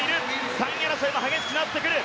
３位争いも激しくなってくる。